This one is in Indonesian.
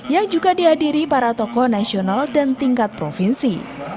yang juga dihadiri para tokoh nasional dan tingkat provinsi